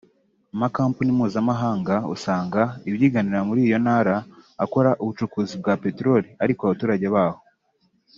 Amakampuni mpuzamahanga usanga ibyiganira muri iyo ntara akora ubucukuzi bwa Petoroli ariko abaturage baho